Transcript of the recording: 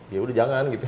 ya udah jangan gitu